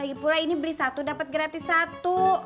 lagipula ini beli satu dapet gratis satu